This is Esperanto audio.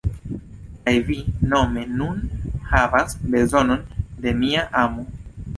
Kaj vi nome nun havas bezonon de mia amo.